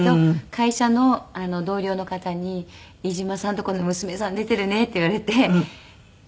会社の同僚の方に「飯島さんのとこの娘さん出ているね」って言われて喜んでいたみたいです。